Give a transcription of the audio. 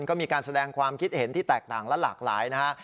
ก็มีการแสดงความคิดเห็นที่แตกต่างและหลากหลายนะฮะ